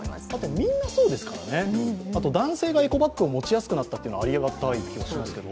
みんなそうですからね、男性がエコバッグを持ちやすくなったのはありがたい気がしますけど。